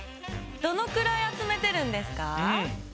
どのくらいあつめてるんですか？